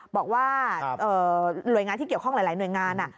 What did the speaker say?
บอกว่าหน่วยงานที่เกี่ยวข้องหลายหน่วยงาน